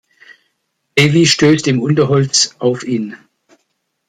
Davie stößt im Unterholz auf ihn.